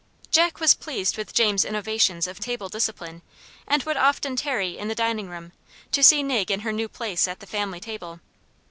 Jack was pleased with James's innovations of table discipline, and would often tarry in the dining room, to see Nig in her new place at the family table.